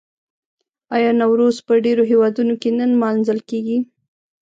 آیا نوروز په ډیرو هیوادونو کې نه لمانځل کیږي؟